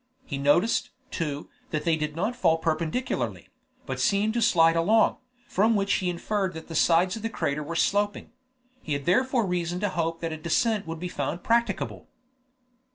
He noticed, too, that they did not fall perpendicularly, but seemed to slide along, from which he inferred that the sides of the crater were sloping; he had therefore reason to hope that a descent would be found practicable.